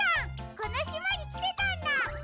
このしまにきてたんだ！